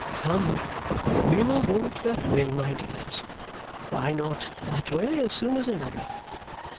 "Come! We will walk that way, my dears. Why not that way as soon as another!"